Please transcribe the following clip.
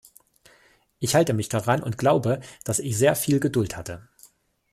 Ich halte mich daran und glaube, dass ich sehr viel Geduld hatte.